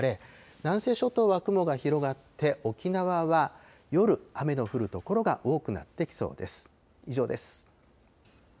南西諸島は雲が広がって、沖縄は夜、雨の降る所が多くなってきそうです。